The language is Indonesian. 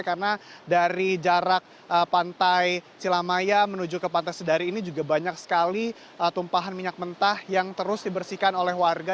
karena dari jarak pantai cilamaya menuju ke pantai sedari ini juga banyak sekali tumpahan minyak mentah yang terus dibersihkan oleh warga